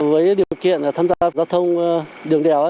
với điều kiện tham gia giao thông đường đèo